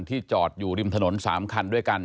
จอดอยู่ริมถนน๓คันด้วยกัน